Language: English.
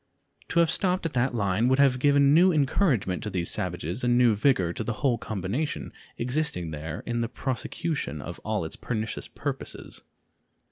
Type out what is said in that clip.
To have stopped at that line would have given new encouragement to these savages and new vigor to the whole combination existing there in the prosecution of all its pernicious purposes.